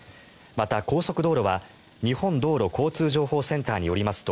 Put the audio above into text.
また、高速道路は日本道路交通情報センターによりますと